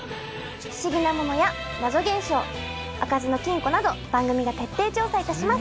不思議なものや謎現象開かずの金庫など番組が徹底調査いたします。